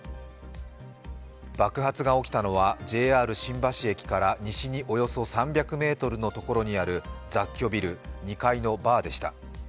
爆発が起きたのはＪＲ新橋駅から西におよそ３００ｍのところにある雑居ビル２階のバーでした。